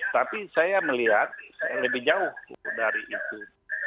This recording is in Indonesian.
tapi saya melihat lebih jauh dari itu